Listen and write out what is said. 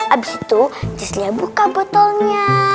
abis itu cislyah buka botolnya